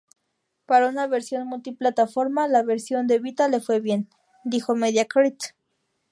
Para una versión multiplataforma, la versión de Vita le fue bien, dijo Media Create.